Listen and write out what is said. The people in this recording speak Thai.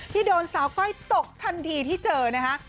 ที่โดนสาวก้อยตกทันทีที่เจอนะคะ